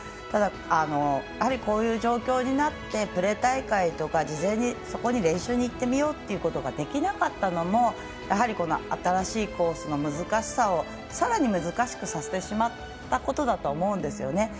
ただ、やはりこういう状況になってプレ大会とか事前に、そこに練習に行ってみようっていうことができなかったのも新しいコースの難しさを、さらに難しくさせてしまったことだと思うんですよね。